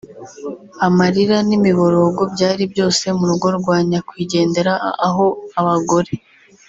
Amarira n’imiborogo byari byose mu rugo rwa nyakwigendera aho abagore